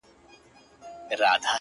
بيا هم وچكالۍ كي له اوبو سره راوتـي يـو-